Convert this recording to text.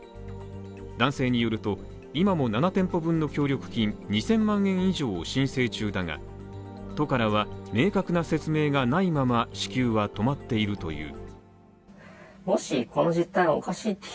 男性によると、今も７店舗分の協力金に２０００万円以上を申請中だが、都からは明確な説明がないまま支給は止まっているという。